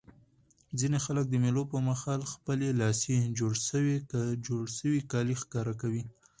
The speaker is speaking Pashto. ځيني خلک د مېلو پر مهال خپلي لاسي جوړ سوي کالي ښکاره کوي.